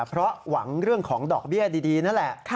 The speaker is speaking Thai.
เพราะหวังเรื่องของดอกเบี้ยดีนั่นแหละ